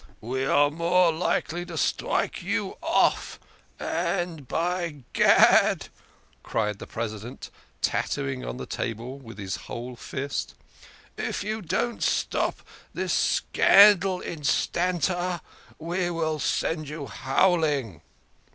" We are more likely to strike you off ! And, by gad !" cried the President, tattooing on the table with his whole fist, " if you don't stop this scandal instanter, we will send you howling."